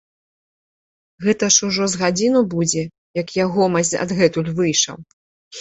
Гэта ж ужо з гадзіну будзе, як ягомасць адгэтуль выйшаў.